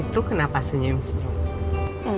itu kenapa senyum senyum